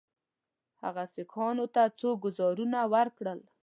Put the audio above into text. هغه سیکهانو ته څو ګوزارونه ورکړل.